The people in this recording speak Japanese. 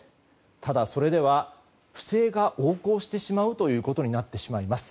ただ、それでは不正が横行してしまうということになってしまいます。